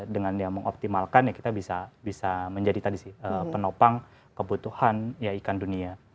dengan dia mengoptimalkan ya kita bisa menjadi tadi sih penopang kebutuhan ya ikan dunia